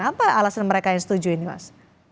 apa alasan mereka yang setuju ini mas